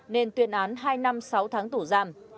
nên tuyên án hai năm sáu tháng tù giam